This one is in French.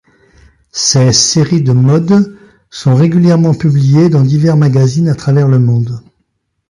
Ses séries de mode sont régulièrement publiées dans divers magazines à travers le monde.